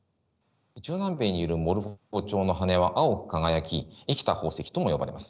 中南米にいるモルフォチョウの羽は青く輝き生きた宝石とも呼ばれます。